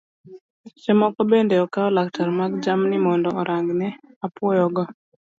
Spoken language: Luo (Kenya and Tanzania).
Seche moko bende okawo laktar mar jamni mondo orang'ne apuoyo go